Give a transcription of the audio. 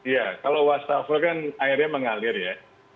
ya kalau wastafel kan airnya mengalir ya